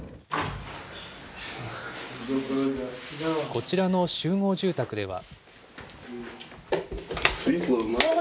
こちらの集合住宅では。